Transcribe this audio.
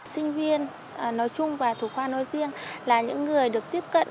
sinh viên nói chung và thủ khoa nói riêng là những người được tiếp cận